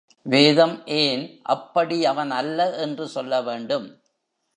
வேதம் ஏன் அப்படி அவன் அல்ல என்று சொல்ல வேண்டும்?